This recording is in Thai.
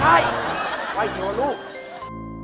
ว่ายคิดว่าลูก